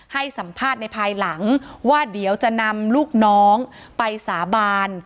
ให้สัมภาษณ์ในภายหลังว่าเดี๋ยวจะนำลูกน้องไปสาบาน